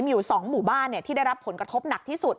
มีอยู่๒หมู่บ้านที่ได้รับผลกระทบหนักที่สุด